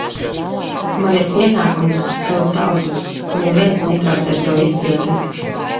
Man ir pienākums pret savu tautu, un neviens netraucēs to izpildīt!